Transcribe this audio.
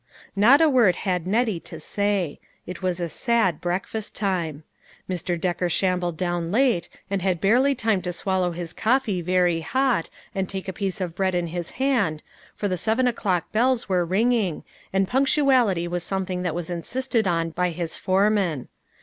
Not a word had Nettie to say. It was a sad breakfast time. Mr. Decker shambled down late, and had barely time to swallow his coffee very hot, and take a piece of bread in his hand, for the seven o'clock bells were ringing, and punctuality was something that was insisted on by his foreman.